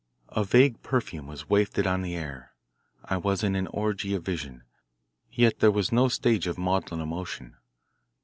A vague perfume was wafted on the air. I was in an orgy of vision. Yet there was no stage of maudlin emotion.